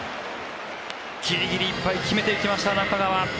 ギリギリいっぱい決めていきました、中川。